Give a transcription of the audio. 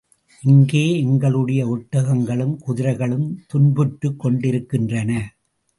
இங்கே எங்களுடைய ஒட்டகங்களும் குதிரைகளும் துன்புற்றுக் கொண்டிருக்கின்றன.